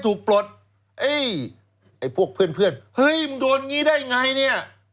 โดนปลดเฮ้ยพวกเพื่อนเฮ้ยมันโดนงี้ได้ไงเนี่ย